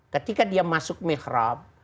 ketika dia masuk mihrab